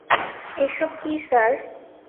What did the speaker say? এসব কী, স্যার?